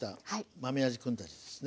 豆あじ君たちですね。